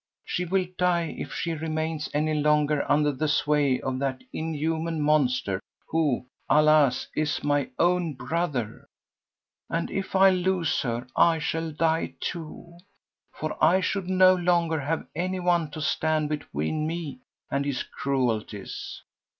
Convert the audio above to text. She will die if she remains any longer under the sway of that inhuman monster who, alas! is my own brother. And if I lose her I shall die, too, for I should no longer have anyone to stand between me and his cruelties.